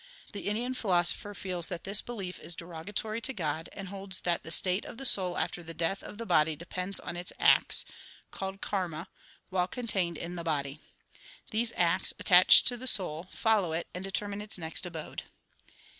The Indian philosopher feels that this belief is derogatory to God, and holds that the state of the soul after the death of the body depends on its acts (called Karma) while contained in the body. These acts attach to the soul, follow it, and determine its next abode.